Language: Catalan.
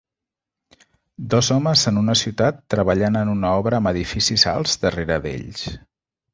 Dos homes en una ciutat treballant en una obra amb edificis alts darrere d'ells